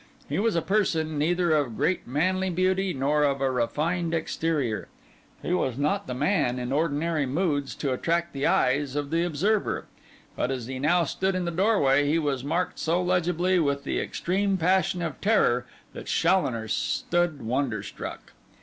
He was a person neither of great manly beauty nor of a refined exterior; he was not the man, in ordinary moods, to attract the eyes of the observer; but as he now stood in the doorway, he was marked so legibly with the extreme passion of terror that Challoner stood wonder struck.